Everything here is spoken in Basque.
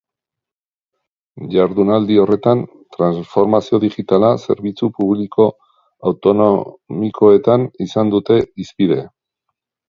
Jardunaldi horretan, transformazio digitala zerbitzu publiko autonomikoetan izan dute hizpide.